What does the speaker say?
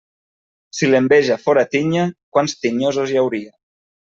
Si l'enveja fóra tinya, quants tinyosos hi hauria.